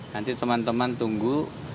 nanti teman teman tunggu